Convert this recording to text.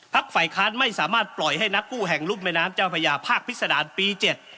ฝ่ายค้านไม่สามารถปล่อยให้นักกู้แห่งรุ่มแม่น้ำเจ้าพญาภาคพิษดารปีเจ็ด